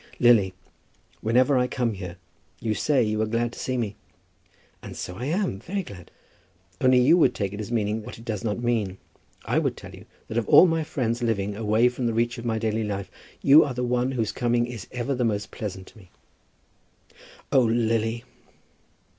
"Lily, whenever I come here you say you are glad to see me?" "And so I am, very glad. Only you would take it as meaning what it does not mean, I would tell you, that of all my friends living away from the reach of my daily life, you are the one whose coming is ever the most pleasant to me." "Oh, Lily!"